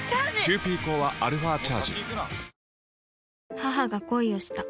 母が恋をした。